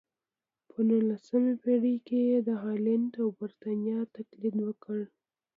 په نولسمه پېړۍ کې یې د هالنډ او برېټانیا تقلید وکړ.